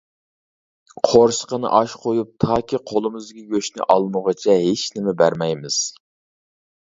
قورسىقىنى ئاچ قويۇپ تاكى قولىمىزدىكى گۆشنى ئالمىغۇچە ھېچنېمە بەرمەيمىز.